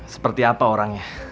seperti apa orangnya